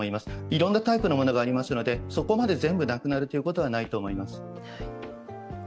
いろんなタイプのものがありますのでそこまで全部なくなるということは、ないと思います。